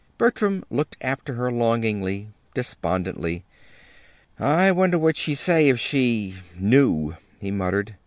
Bertram looked after her longingly, despondently. "I wonder what she'd say if she knew," he muttered.